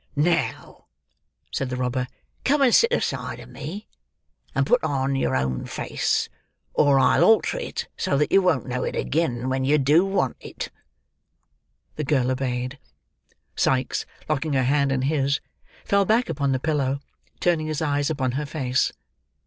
"Now," said the robber, "come and sit aside of me, and put on your own face; or I'll alter it so, that you won't know it agin when you do want it." The girl obeyed. Sikes, locking her hand in his, fell back upon the pillow: turning his eyes upon her face.